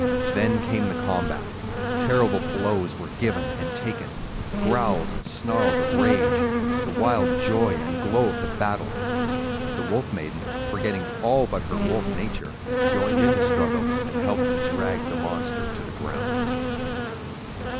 Then came the combat: terrible blows were given and taken, growls and snarls of rage, the wild joy and glow of the battle. The Wolf Maiden, forgetting all but her wolf nature, joined in the struggle, and helped to drag the monster to the ground.